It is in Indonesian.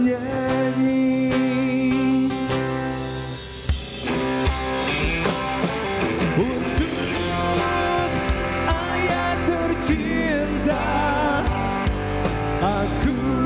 jiwa raga dan seluruh